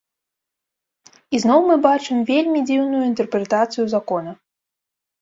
І зноў мы бачым вельмі дзіўную інтэрпрэтацыю закона.